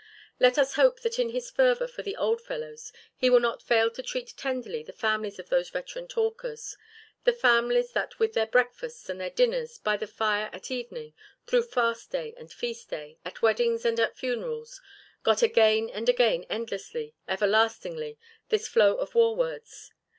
Let us hope that in his fervour for the old fellows he will not fail to treat tenderly the families of those veteran talkers; the families that with their breakfasts and their dinners, by the fire at evening, through fast day and feast day, at weddings and at funerals got again and again endlessly, everlastingly this flow of war words.